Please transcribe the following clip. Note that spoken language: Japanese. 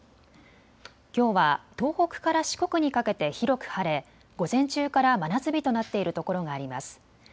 きょうは東北から四国にかけて広く晴れ午前中から真夏日となっているところがあります。